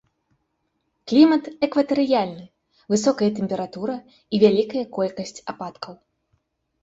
Клімат экватарыяльны, высокая тэмпература і вялікая колькасць ападкаў.